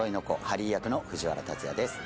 ハリー役の藤原竜也です